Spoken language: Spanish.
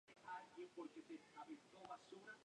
Graciano se vio obligado a huir.